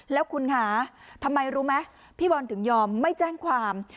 แล้วคุณคะทำไมรู้ไหมพี่บอลถึงยอมไม่แจ้งความ